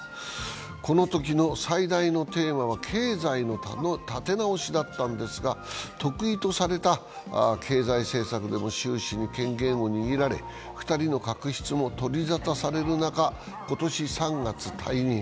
このときの最大のテーマは経済の立て直しだったのですが、得意とされた経済政策でも習氏に権限を握られ２人の確執も取り沙汰される中今年３月、退任。